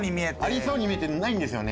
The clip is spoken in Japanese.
ありそうに見えてないんですよね。